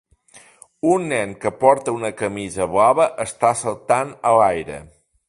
Un nen que porta una camisa blava està saltant a l'aire.